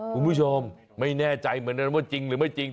คุณผู้ชมไม่แน่ใจเหมือนกันว่าจริงหรือไม่จริง